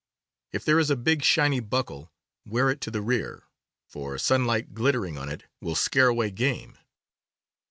If there is a big, shiny buckle, wear it to the rear; for sunlight glittering on it will scare away game.